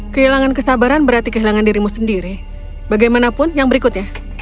kehilangan kesabaran berarti kehilangan dirimu sendiri bagaimanapun yang berikutnya